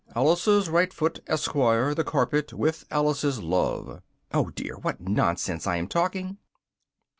ALICE'S RIGHT FOOT, ESQ. THE CARPET, with ALICE'S LOVE oh dear! what nonsense I am talking!"